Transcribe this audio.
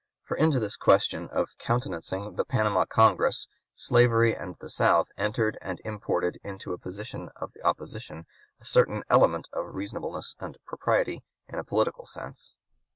For into this question of (p. 191) countenancing the Panama Congress, slavery and "the South" entered and imported into a portion of the opposition a certain element of reasonableness and propriety in a political sense.